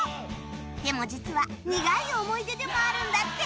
でも実は苦い思い出でもあるんだって